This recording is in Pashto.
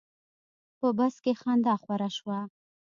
په بس کې خندا خوره شوه.